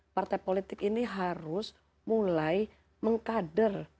partai politik ini harus mulai mengkader